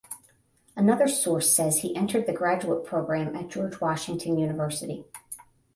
Another source says he entered the graduate program at George Washington University.